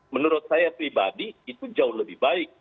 menurut saya pribadi itu jauh lebih baik